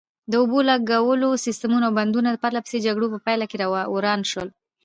د اوبو لګولو سیسټمونه او بندونه د پرلپسې جګړو په پایله کې وران شول.